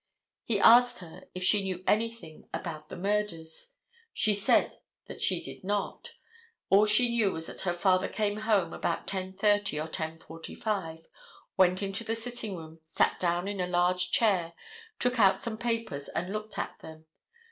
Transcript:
He asked her if she knew anything about the murders. "She said that she did not, all she knew was that her father came home about 10:30 or 10:45, went into the sitting room, sat down in a large chair, took out some papers and looked at them.